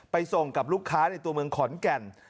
ส่งกับลูกค้าในตัวเมืองขอนแก่น